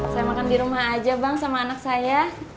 saya makan di rumah aja bang sama anak saya